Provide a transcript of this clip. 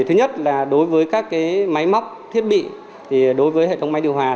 thứ nhất là đối với các máy móc thiết bị đối với hệ thống máy điều hòa